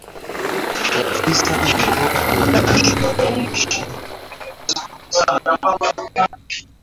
ya tisa Waturuki wa Oghuz wanaoishi Asia ya